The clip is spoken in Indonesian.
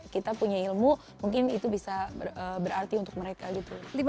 kita punya ilmu mungkin itu bisa berarti untuk mereka gitu